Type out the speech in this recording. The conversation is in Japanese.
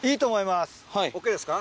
ＯＫですか。